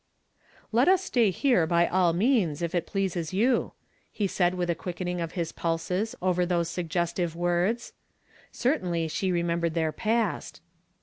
" Let US stay here by all means if it pleases you," he said with a quickening of his pulses over those suggestive words. Certainly she re membered their past.